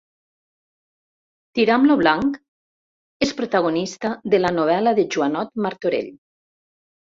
Tiramt lo Blanc és protagonista de la novel·la de Joanot Martorell